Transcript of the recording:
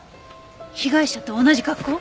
被害者と同じ格好？